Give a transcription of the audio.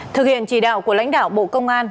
thực hiện chỉ đạo của lãnh đạo bộ công an